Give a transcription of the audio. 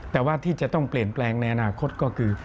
แต่ว่าที่จะต้องเปลี่ยนแปลงในอนาคตก็คือ